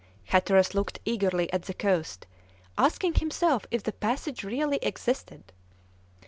Hatteras looked eagerly at the coast, asking himself if the passage really existed.